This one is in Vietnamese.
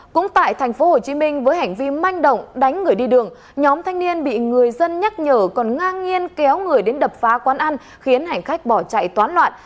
cũng tại tp hcm với hành vi manh động đánh người đi đường nhóm thanh niên bị người dân nhắc nhở còn ngang nhiên kéo người đến đập phá quán ăn khiến hành khách bỏ chạy toán loạn